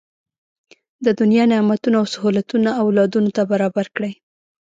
د دنیا نعمتونه او سهولتونه اولادونو ته برابر کړي.